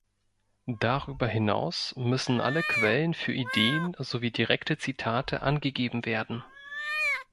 Darüber hinaus müssen alle Quellen für Ideen sowie direkte Zitate angegeben werden.